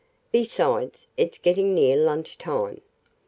Besides it's getting near lunch time."